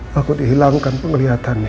hai aku dihilangkan penglihatannya